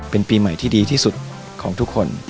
เป็นปีใหม่ที่ดีที่สุดของทุกคน